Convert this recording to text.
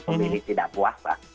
ini tidak puasa